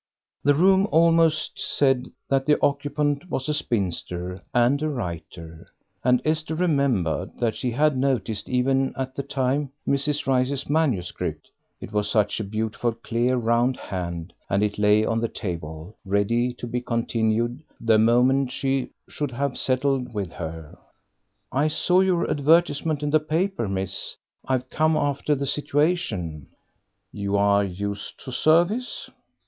The room almost said that the occupant was a spinster and a writer, and Esther remembered that she had noticed even at the time Miss Rice's manuscript, it was such a beautiful clear round hand, and it lay on the table, ready to be continued the moment she should have settled with her. "I saw your advertisement in the paper, miss; I've come after the situation." "You are used to service?"